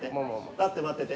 立って待ってて。